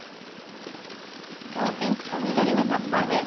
今日はピンクと緑のタッパーです。